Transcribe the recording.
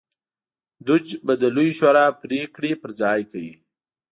دوج به د لویې شورا پرېکړې پر ځای کوي.